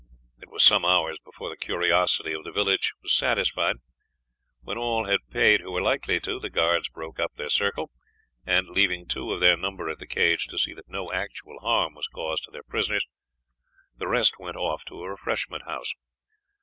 It was some hours before the curiosity of the village was satisfied. When all had paid who were likely to do so, the guards broke up their circle, and leaving two of their number at the cage to see that no actual harm was caused to their prisoners, the rest went off to a refreshment house.